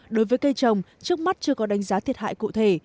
đối với cây trồng trước mắt chưa có đánh giá thiệt hại cụ thể